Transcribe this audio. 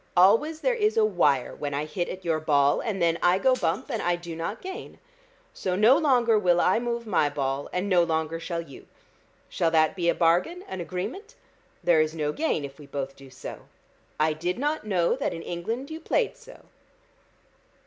Always there is a wire when I hit at your ball, and then I go bump, and I do not gain. So no longer will I move my ball, and no longer shall you. Shall that be a bargain, an agreement? There is no gain if we both do so. I did not know that in England you played so."